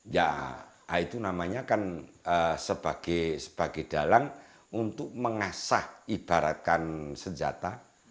ya itu namanya kan sebagai dalang untuk mengasah ibaratkan senjata